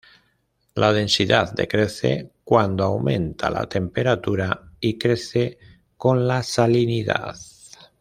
La densidad decrece cuando aumenta la temperatura y crece con la salinidad.